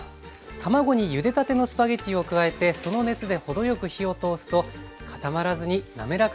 卵にゆでたてのスパゲッティを加えてその熱で程よく火を通すと固まらずに滑らかな仕上がりになります。